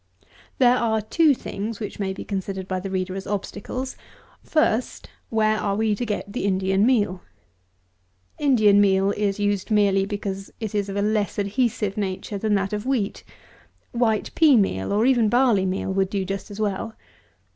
206. There are two things which may be considered by the reader as obstacles. FIRST, where are we to get the Indian Meal? Indian Meal is used merely because it is of a less adhesive nature than that of wheat. White pea meal, or even barley meal, would do just as well.